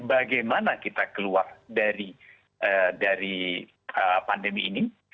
bagaimana kita keluar dari pandemi ini